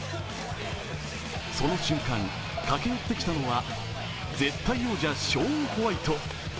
その瞬間、駆け寄ってきたのは絶対王者、ショーン・ホワイト。